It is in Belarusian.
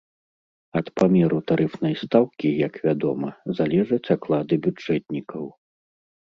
Ад памеру тарыфнай стаўкі, як вядома, залежаць аклады бюджэтнікаў.